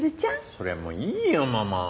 それはもういいよママ。